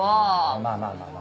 まあまあまあまあ。